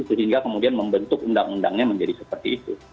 sehingga kemudian membentuk undang undangnya menjadi seperti itu